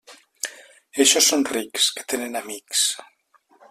Eixos són rics, que tenen amics.